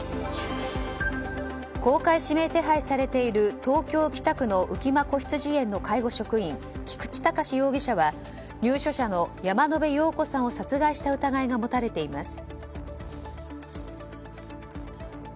公開指名手配されている東京・北区の浮間こひつじ園の介護職員、菊池隆容疑者は入所者の山野辺陽子さんを殺害した疑いが持たれています。